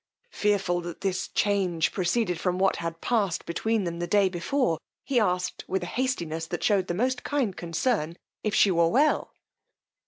Fearful that this change proceeded from what had passed between them the day before, he asked with a hastiness, that shewed the most kind concern, if she were well.